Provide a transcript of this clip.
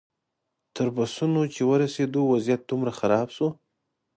تر بسونو چې ورسېدو وضعیت دومره خراب شو.